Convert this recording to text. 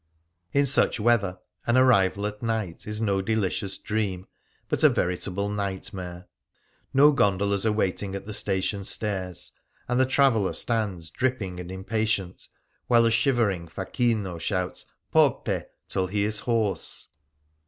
In such weather an arrival at night is no delicious dream, but a veritable night mare. No gondolas are waiting at the station stairs, and the traveller stands dripping and impatient, while a shivering facchino shouts " Poppe !" till he is hoarse.